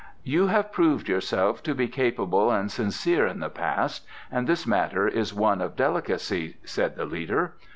"You have proved yourself to be capable and sincere in the past, and this matter is one of delicacy," said the leader.